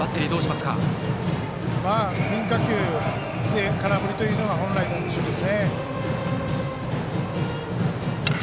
変化球で空振りというのが本来なんでしょうけどね。